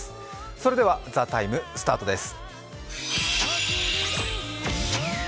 それでは「ＴＨＥＴＩＭＥ，」スタートです。